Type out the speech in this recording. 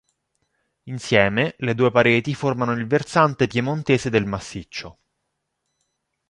Insieme, le due pareti formano il versante piemontese del massiccio.